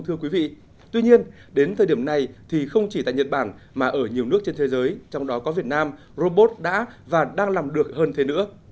thưa quý vị tuy nhiên đến thời điểm này thì không chỉ tại nhật bản mà ở nhiều nước trên thế giới trong đó có việt nam robot đã và đang làm được hơn thế nữa